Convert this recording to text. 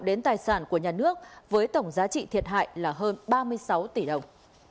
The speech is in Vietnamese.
đến tài sản của nhà nước với tổng giá trị thiệt hại là hơn ba mươi sáu tỷ đồng